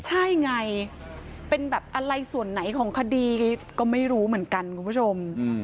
ใช่ไงเป็นแบบอะไรส่วนไหนของคดีก็ไม่รู้เหมือนกันคุณผู้ชม